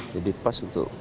jadi pas untuk